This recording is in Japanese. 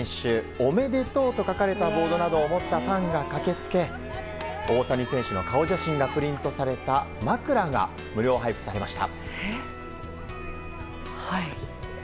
「おめでとう」と書かれたボードなどを持ったファンが駆け付け大谷選手の顔写真がプリントされた枕が無料配布されました。